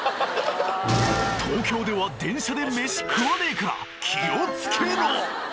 東京では、電車で飯食わねえから、気をつけろ！